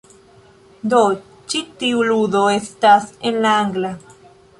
Do ĉi tiu ludo estas en la angla